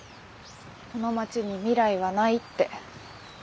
この町に未来はないって。